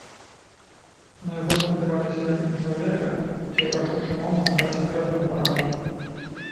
На яго спадзяваліся як на чалавека, які ў рашучы момант дасць верную параду.